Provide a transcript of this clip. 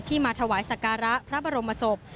ที่มาถวายศักราชพระบรมศพ